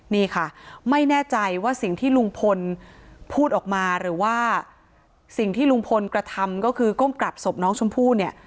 นี่ค่ะไม่แน่ใจว่าสิ่งที่ลุงพลพูดออกมาหรือว่าสิ่งที่ลุงพลกระทำก็คือก้มกราบศพน้องชมพู่เนี่ย